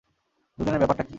দুজনের ব্যাপারটা কী?